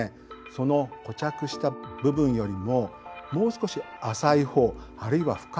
その固着した部分よりももう少し浅い方あるいは深い方